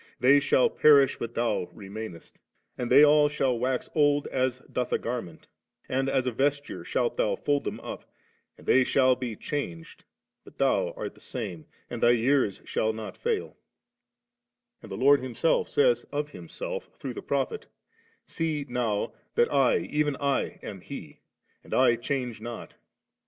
They shall perish, but Thou remainest ; and they all shall wax old as doth a garment And as a vesture shalt Thou fold them up, and they shall be changed, but Thou art the same, and Thy years shall not fiull* And the Lord Himself says of Himself through the Prophet, 'See now that I, even I am He,' and ' I change not*.'